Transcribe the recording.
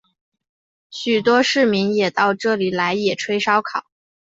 许多市民也到这里来野炊烧烤。